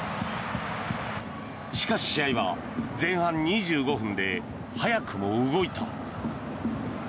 しかし、試合は前半２５分で早くも動いた。